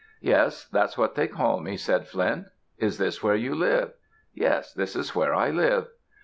"Yes; that's what they call me," said Flint. "Is this where you live?" "Yes; this is where I live."